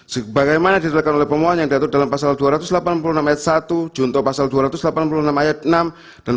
sebagaimana ditelekan oleh pemohon yang diatur dalam pasal dua ratus delapan puluh enam ayat satu junto pasal dua ratus delapan puluh enam ayat enam